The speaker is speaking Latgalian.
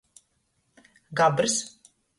Gabrs.